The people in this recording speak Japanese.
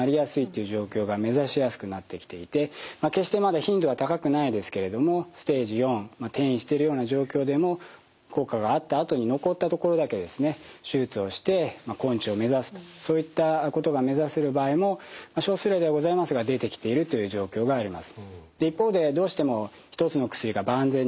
決してまだ頻度は高くないですけれどもステージ４転移してるような状況でも効果があったあとに残った所だけ手術をして根治を目指すとそういったことが目指せる場合も少数例ではございますが出てきているという状況があります。